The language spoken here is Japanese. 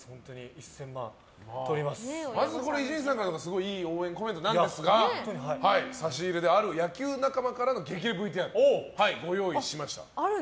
まず、伊集院さんからいい応援コメントなんですが差し入れである野球仲間からの激励ＶＴＲをご用意しました。